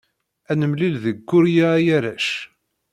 Ad nemlil deg Kurya a arrac!